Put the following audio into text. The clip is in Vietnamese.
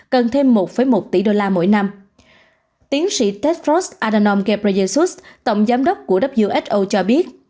cần thêm một một tỷ usd mỗi năm tiến sĩ tedros adhanom ghebreyesus tổng giám đốc của who cho biết